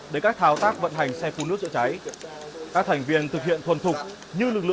đến các thao tác vận hành